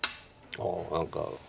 ああ何か。